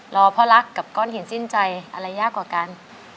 รอพ่อรักกับก้อนหินสิ้นใจอะไรยากกว่ากัน